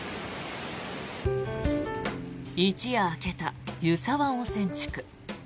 一夜明けた湯沢温泉地区。